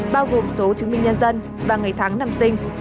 bao gồm số chứng minh nhân dân và ngày tháng năm sinh